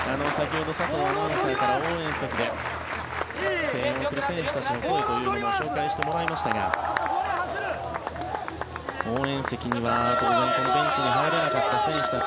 先ほど佐藤アナウンサーから、応援席で声援を送る選手たちの声というのも取材してもらいましたが応援席にはベンチに入れなかった選手たち